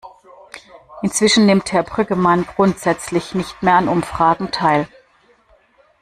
Inzwischen nimmt Herr Brüggemann grundsätzlich nicht mehr an Umfragen teil.